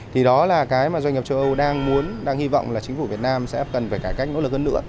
thì đó là cái mà doanh nghiệp châu âu đang muốn đang hy vọng là chính phủ việt nam sẽ cần phải cải cách nỗ lực hơn nữa